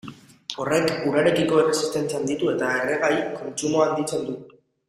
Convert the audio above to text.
Horrek urarekiko erresistentzia handitu eta erregai kontsumoa handitzen du.